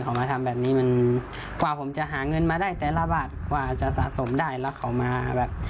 เขามาทำแบบนี้มันกว่าผมจะหาเงินมาได้แต่ละบาทกว่าจะสะสมได้แล้วเขามาแบบ